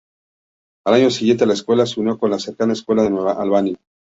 Al año siguiente la escuela se unió con la cercana Escuela de Nueva Albany.